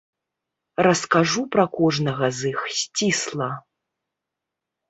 Раскажу пра кожнага з іх сцісла.